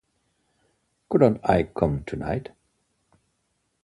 Couldn't I come tonight?